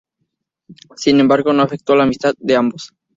Sin embargo, no afectó la amistad de ambos.